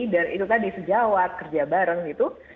dan itu tadi sejawat kerja bareng gitu